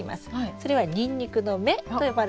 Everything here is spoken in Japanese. それはニンニクの芽と呼ばれるものですね。